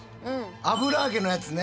油揚げのやつね。